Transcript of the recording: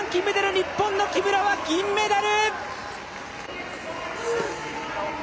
日本の木村は銀メダル。